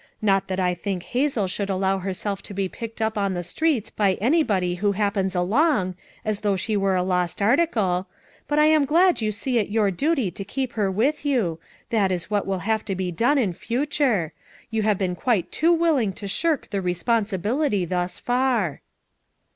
Not that I think Hazel should al low herself to be picked up on the streets by anybody who happens along, as though she were a lost article; but I am glad you sec it your duty to keep her with you; that is what will have to be done in future. You have been quite too willing to shirk the responsibility thus far."